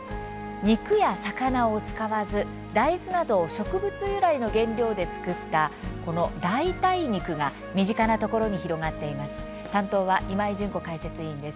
肉や魚を使わず、大豆など植物由来の原料で作った代替肉が身近なところに広がっています。